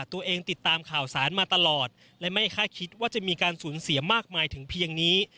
ติดตามข่าวสารมาตลอดและไม่คาดคิดว่าจะมีการสูญเสียมากมายถึงเพียงนี้